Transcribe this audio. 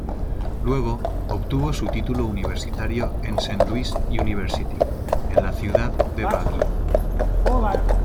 Luego obtuvo su título universitario en Saint Louis University en la ciudad de Baguio.